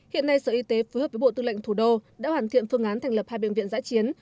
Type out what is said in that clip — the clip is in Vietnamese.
hiện nay sở y tế phối hợp với bộ tư lệnh thủ đô đã hoàn thiện phương án thành lập hai bệnh viện giã chiến